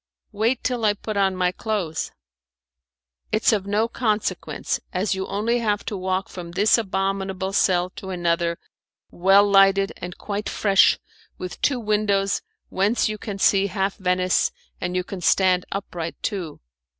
"Wait till I put on my clothes." "It's of no consequence, as you only have to walk from this abominable cell to another, well lighted and quite fresh, with two windows whence you can see half Venice, and you can stand upright too."